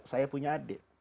saya punya adik